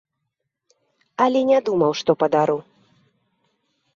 Але не думаў, што падару.